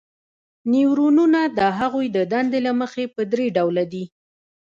نیورونونه د هغوی د دندې له مخې په درې ډوله دي.